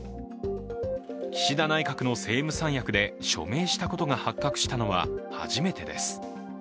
岸田内閣の政務三役で署名したことが発覚したのは初めてです。